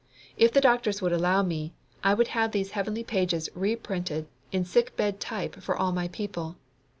If the doctors would allow me, I would have these heavenly pages reprinted in sick bed type for all my people.